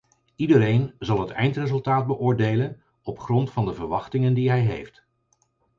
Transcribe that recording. Iedereen zal het eindresultaat beoordelen op grond van de verwachtingen die hij heeft.